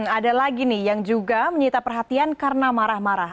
ada lagi nih yang juga menyita perhatian karena marah marah